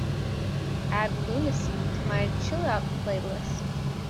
add lunacy to my chill out playlist